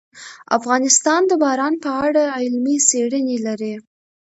افغانستان د باران په اړه علمي څېړنې لري.